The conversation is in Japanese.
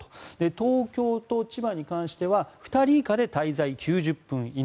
東京と千葉に関しては２人以下で滞在９０分以内。